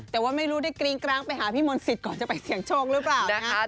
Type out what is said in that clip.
แต่ว่าไม่รู้ได้กริ้งกร้างไปหาพี่มนต์สิทธิ์ก่อนจะไปเสี่ยงโชคหรือเปล่านะคะ